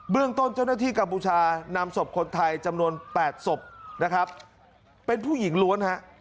เรื่องต้นเจ้าหน้าที่กัมพูชานำศพคนไทยจำนวน๘ศพนะครับเป็นผู้หญิงล้วนฮะ